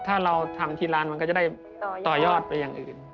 ถ้าเราทำที่ร้านมันก็จะได้ต่อยอดไปอย่างอื่น